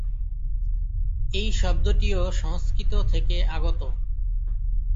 এই শব্দটিও সংস্কৃত থেকে আগত।